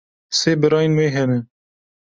Sê birayên wê hene.